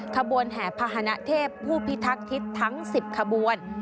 ขบวนแห่พนเทพผู้พิทักษิตทั้ง๑๐ขบวน